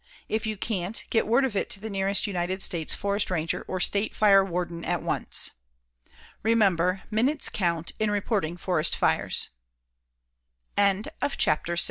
If you can't, get word of it to the nearest United States forest ranger or State fire warden at once. Remember "minutes count" in reporting forest fires. CHAPTER VII INSECTS AND DISEASES THAT DESTROY F